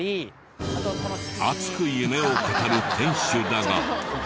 熱く夢を語る店主だが。